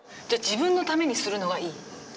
じゃあ自分のためにするのがいい。